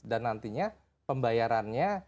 dan nantinya pembayarannya